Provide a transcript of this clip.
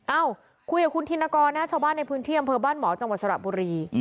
เอ้าคุยกับคุณธินกรนะชาวบ้านในพื้นที่อำเภอบ้านหมอจังหวัดสระบุรี